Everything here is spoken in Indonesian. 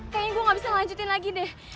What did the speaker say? kayaknya gue gak bisa lanjutin lagi deh